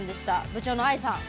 部長のあいさん